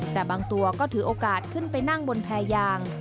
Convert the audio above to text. แต่บางตัวก็ถือโอกาสขึ้นไปนั่งบนแพรยาง